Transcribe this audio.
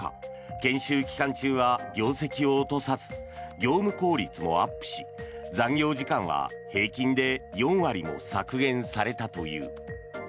研修期間中は業績を落とさず業務効率もアップし残業時間は平均で４割も削減されたという。